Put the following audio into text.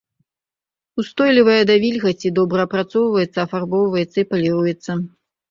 Устойлівая да вільгаці, добра апрацоўваецца, афарбоўваецца і паліруецца.